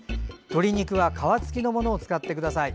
鶏肉は皮つきのものを使ってください。